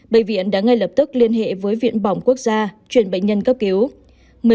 bệnh viện đã ngay lập tức liên hệ với viện bỏng quốc gia chuyển bệnh nhân cấp cứu